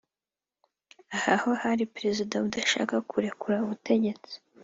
Aha ho hari Perezida udashaka kurekura ubutegetsi